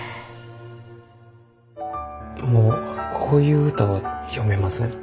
もうこういう歌は詠めません。